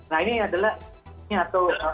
nah ini adalah